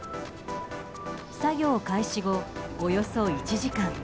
作業開始後、およそ１時間。